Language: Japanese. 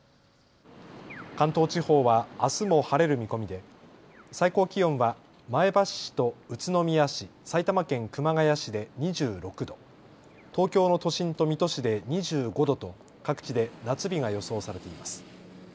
関東地方はあすも晴れる見込みで最高気温は前橋市と宇都宮市、埼玉県熊谷市で２６度、東京の都心と水戸市で２５度と各地で夏日が予想されています。